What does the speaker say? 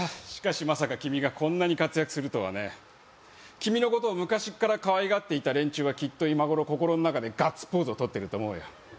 しかしまさか君がこんなに活躍するとはね君のことを昔っからかわいがっていた連中はきっと今頃心の中でガッツポーズをとってると思うよ